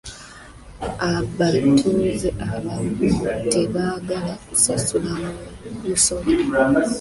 Abatuuze abamu tebaagala kusasula musolo.